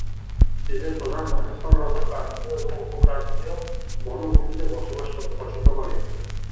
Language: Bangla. এদের প্রধান বাসস্থান হল ক্রান্তীয় এবং উপক্রান্তীয় বনভূমিতে বসবাস করতে পছন্দ করে।